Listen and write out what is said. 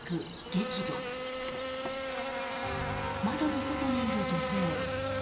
窓の外にいる女性。